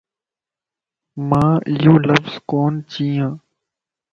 مان ايو لفظ ڪون چين